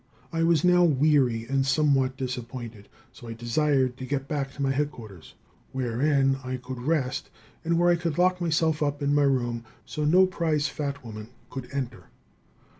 ] I was now weary and somewhat disappointed, so I desired to get back to my headquarters, wherein I could rest and where I could lock myself up in my room, so no prize fat woman could enter.